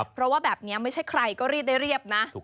เพราะว่าแบบนี้ไม่ใช่ใครก็รีดได้เรียบนะ